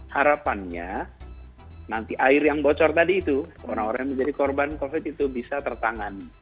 harapannya nanti air yang bocor tadi itu orang orang yang menjadi korban covid itu bisa tertangan